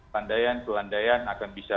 pandayan pelandayan akan bisa